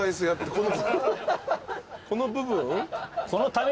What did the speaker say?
この部分？